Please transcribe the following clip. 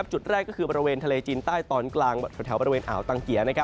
จุดแรกก็คือบริเวณทะเลจีนใต้ตอนกลางแถวบริเวณอ่าวตังเกีย